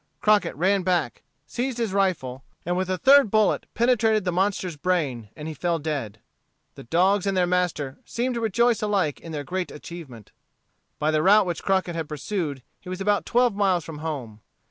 Crockett ran back, seized his rifle, and with a third bullet penetrated the monster's brain and he fell dead. The dogs and their master seemed to rejoice alike in their great achievement. By the route which Crockett had pursued, he was about twelve miles from home.